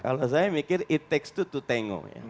kalau saya mikir it takes two to tango ya